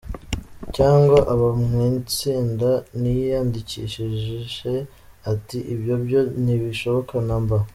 cyangwa aba mw’itsinda ntiyiyandikishe ati ibyo byo ntibishoboka namba.